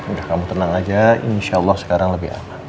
udah kamu tenang aja insya allah sekarang lebih aman